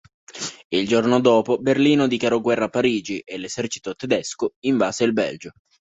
Il giorno dopo Berlino dichiarò guerra a Parigi e l'esercito tedesco invase il Belgio.